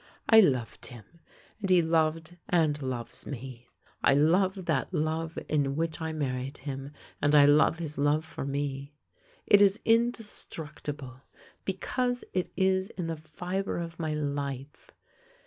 I loved him, and he loved and loves me. I love that love in which I married him, and I love his love for me. It is inde structible, because it is in the fibre of my life.